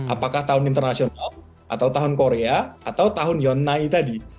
apakah tahun internasional atau tahun korea atau tahun yonnai tadi